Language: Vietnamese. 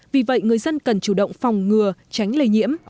vì vậy người dân cần chủ động phòng ngừa tránh lây nhiễm